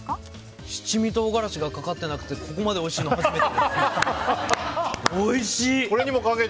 七味唐辛子がかかってなくてここまでおいしいの初めてです。